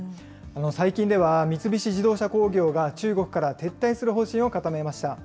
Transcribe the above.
最近では、三菱自動車工業が中国から撤退する方針を固めました。